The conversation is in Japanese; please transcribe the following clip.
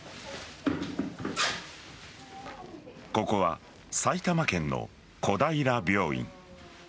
ここは埼玉県の公平病院。